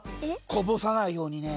こぼさないようにね。